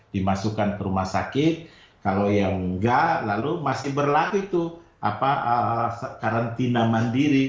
dimasukkan ke rumah sakit kalau yang enggak lalu masih berlaku itu karantina mandiri